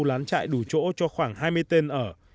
lán chạy đủ chỗ cho khoảng hai mươi tên ở